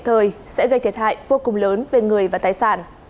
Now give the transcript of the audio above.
đồng thời sẽ gây thiệt hại vô cùng lớn về người và tài sản